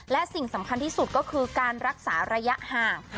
และสิ่งสำคัญที่สุดก็คือการรักษาระยะห่าง